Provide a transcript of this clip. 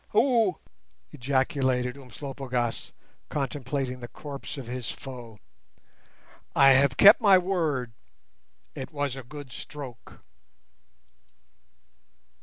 "Ou!" ejaculated Umslopogaas, contemplating the corpse of his foe; "I have kept my word. It was a good stroke."